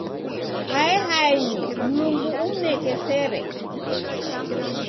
Hae haenyi, Mlungu umneke sere.